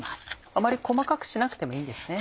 あまり細かくしなくてもいいんですね。